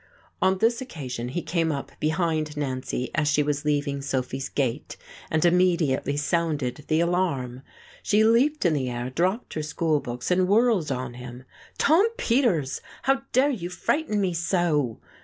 On this occasion he came up behind Nancy as she was leaving Sophy's gate and immediately sounded the alarm. She leaped in the air, dropped her school books and whirled on him. "Tom Peters! How dare you frighten me so!"